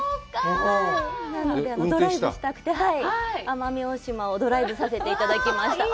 なのでドライブしたくて奄美大島をドライブさせていただきました。